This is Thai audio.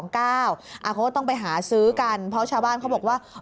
เขาก็ต้องไปหาซื้อกันเพราะชาวบ้านเขาบอกว่า